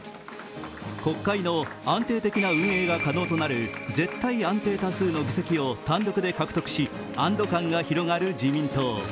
国会の安定的な運営が可能となる絶対安定多数の議席を単独で獲得し安堵感が広がる自民党。